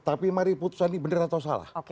tapi mari putusan ini benar atau salah